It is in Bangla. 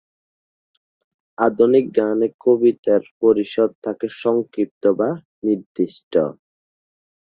আধুনিক গানে কবিতার পরিসর থাকে সংক্ষিপ্ত বা নির্দিষ্ট।